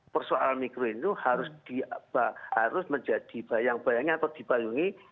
persoalan mikro itu harus dibayangkan atau dibayungi